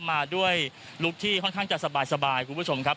มาด้วยลุคที่ค่อนข้างจะสบายคุณผู้ชมครับ